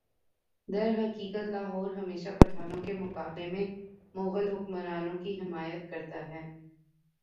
درحقیقت لاہور ہمیشہ پٹھانوں کے مقابلہ میں مغل حکمرانوں کی حمایت کرتا رہا